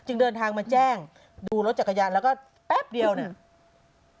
เดินทางมาแจ้งดูรถจักรยานแล้วก็แป๊บเดียวเนี่ย